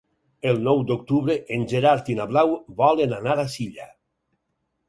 El nou d'octubre en Gerard i na Blau volen anar a Silla.